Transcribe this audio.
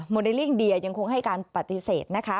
เลลิ่งเดียยังคงให้การปฏิเสธนะคะ